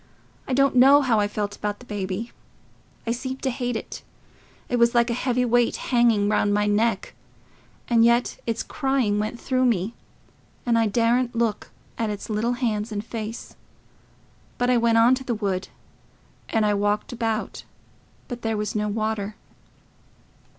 I don't know how I felt about the baby. I seemed to hate it—it was like a heavy weight hanging round my neck; and yet its crying went through me, and I daredn't look at its little hands and face. But I went on to the wood, and I walked about, but there was no water...."